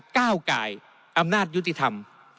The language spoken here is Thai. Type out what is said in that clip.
ก้าวกายอำนาจยุติธรรม